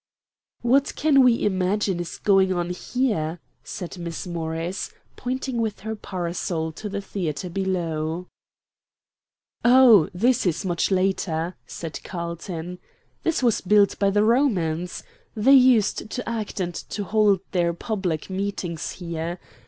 "What can we imagine is going on here?" said Miss Morris, pointing with her parasol to the theatre below. "Oh, this is much later," said Carlton. "This was built by the Romans. They used to act and to hold their public meetings here.